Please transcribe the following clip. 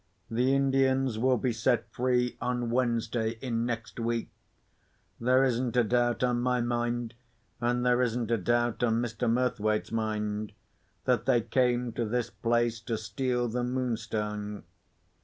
The Indians will be set free on Wednesday in next week. There isn't a doubt on my mind, and there isn't a doubt on Mr. Murthwaite's mind, that they came to this place to steal the Moonstone.